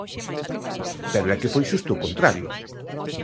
Pero é que foi xusto ó contrario.